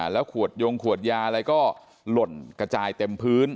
แล้วขวดยงขวดยาอะไรก็หล่นกระจายเต็มพื้น